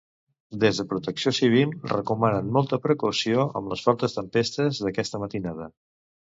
Des de Protecció Civil recomanen molta precaució amb les fortes tempestes d'aquesta matinada.